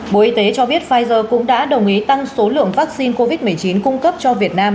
bộ y tế cho biết pfizer cũng đã đồng ý tăng số lượng vaccine covid một mươi chín cung cấp cho việt nam